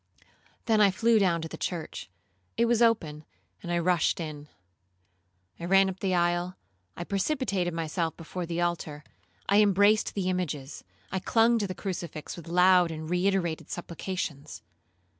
Then I flew down to the church; it was open, and I rushed in. I ran up the aisle, I precipitated myself before the altar, I embraced the images, I clung to the crucifix with loud and reiterated supplications.